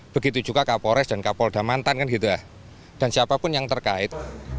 begitu juga kak pores dan kak polda mantan dan siapapun yang terkait